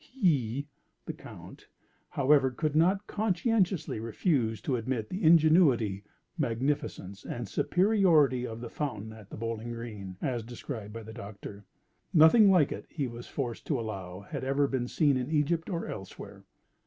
He (the Count), however, could not conscientiously refuse to admit the ingenuity, magnificence, and superiority of the Fountain at the Bowling Green, as described by the Doctor. Nothing like it, he was forced to allow, had ever been seen in Egypt or elsewhere.